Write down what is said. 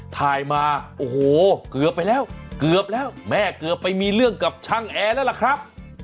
ถ่ายมาโอ้โหเกือบไปแล้วเกือบแล้วแม่เกือบไปมีเรื่องกับช่างแอร์แล้วล่ะครับ